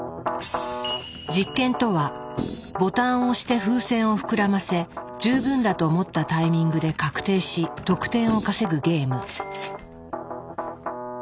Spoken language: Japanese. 実験とはボタンを押して風船を膨らませ十分だと思ったタイミングで確定し得点を稼ぐゲーム。